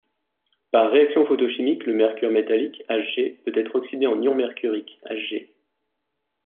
Par réaction photochimique, le mercure métallique, Hg, peut être oxydé en ion mercurique, Hg.